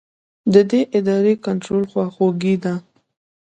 د دې ارادې کنټرول خواخوږي ده.